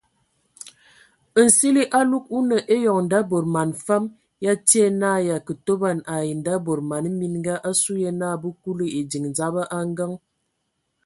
Nsili alug o nə eyɔŋ nda bod man fam ya tie na ya kə toban ai ndabod man mininga asu ye na bə kuli ediŋ dzaba a ngəŋ.